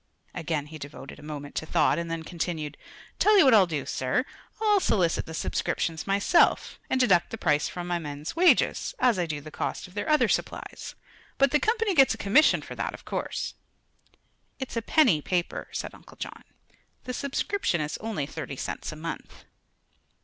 Again he devoted a moment to thought, and then continued: "Tell you what I'll do, sir; I'll solicit the subscriptions myself, and deduct the price from the men's wages, as I do the cost of their other supplies. But the Company gets a commission for that, of course." "It's a penny paper," said Uncle John. "The subscription is only thirty cents a month."